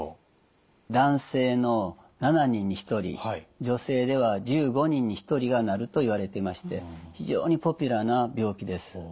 男性の７人に１人女性では１５人に１人がなるといわれてまして非常にポピュラーな病気です。